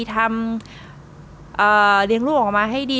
ทำเลี้ยงลูกออกมาให้ดี